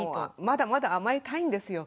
まだまだ甘えたいんですよ。